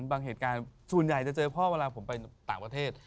เหตุการณ์ส่วนใหญ่จะเจอพ่อเวลาผมไปต่างประเทศ